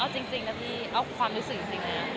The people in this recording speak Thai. เอาจริงนะพี่เอาความรู้สึกสิ่งนี้